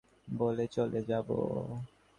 বলে চলে যাব।